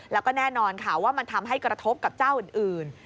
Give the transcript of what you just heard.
แล้วก็แน่นอนค่ะว่ามันทำให้กระทบกับเจ้าอื่น